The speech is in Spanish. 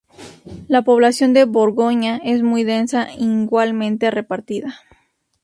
La población de Borgoña es muy densa igualmente repartida.